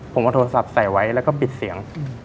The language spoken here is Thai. ผมเอาโทรศัพท์ใส่ไว้แล้วก็ปิดเสียง